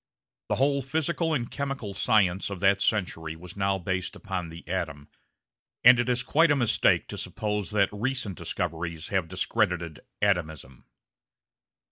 The whole physical and chemical science of that century was now based upon the atom, and it is quite a mistake to suppose that recent discoveries have discredited "atomism."